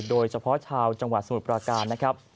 โดยเฉพาะชาวจังหวัดสมุทรปราการนะครับ